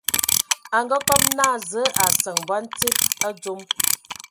Akǝ kɔb naa Zǝǝ a seŋe bɔn tsíd a dzom.